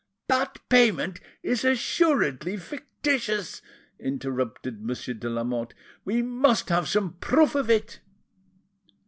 "That payment is assuredly fictitious," interrupted Monsieur de Lamotte; "we must have some proof of it."